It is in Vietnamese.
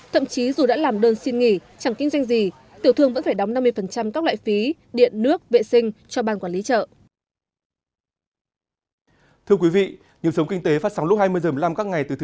thậm chí dù đã làm đơn xin nghỉ chẳng kinh doanh gì tiểu thương vẫn phải đóng năm mươi các loại phí